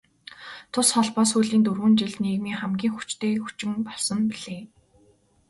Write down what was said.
Тус холбоо сүүлийн дөрвөн жилд нийгмийн хамгийн хүчтэй хүчин болсон билээ.